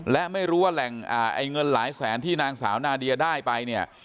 และไม่รู้ว่าแหล่งเงินหลายแสนที่นางสาวนาเดียได้ไปเนี่ย